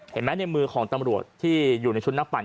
ในมือของตำรวจที่อยู่ในชุดนักปั่น